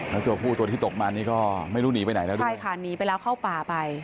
แล้วตัวผู้ตัวที่ตกมานี่ก็ไม่รู้หนีไปไหนแล้วด้วยใช่ค่ะหนีไปแล้วเข้าป่าไป